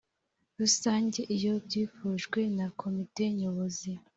Rusange iyo byifujwe na Komite Nyobozi